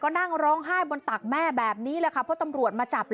นั่งร้องไห้บนตักแม่แบบนี้แหละค่ะเพราะตำรวจมาจับ